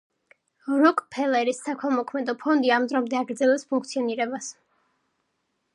როკფელერის საქველმოქმედო ფონდი ამ დრომდე აგრძელებს ფუნქციონირებას.